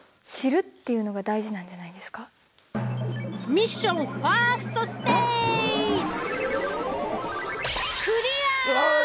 ミッションファーストステージわあえっ！？